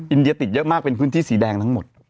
อินเดียติดเยอะมากเป็นพื้นที่สีแดงทั้งหมด